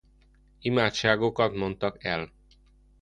Imádságokat mondtak el.